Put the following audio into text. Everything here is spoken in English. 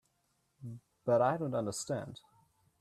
But I don't understand.